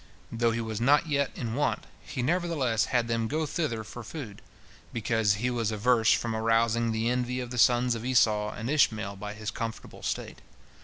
Though he was not yet in want, he nevertheless had them go thither for food, because he was averse from arousing the envy of the sons of Esau and Ishmael by his comfortable state.